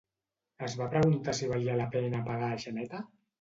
Es va preguntar si valia la pena pegar a Xaneta?